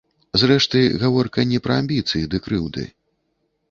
Зрэшты, гаворка не пра амбіцыі ды крыўды.